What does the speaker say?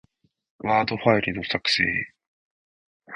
ワードファイルの、作成